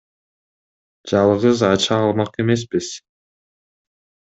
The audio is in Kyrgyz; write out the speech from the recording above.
Жалгыз ача алмак эмеспиз.